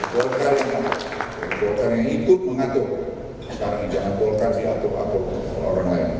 golkar yang ikut mengatur sekarang jangan golkar diatur atur orang lain